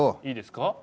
いいですか？